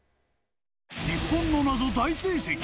日本の謎、大追跡。